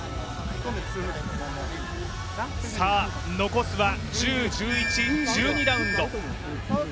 残すは１０、１１、１２ラウンド。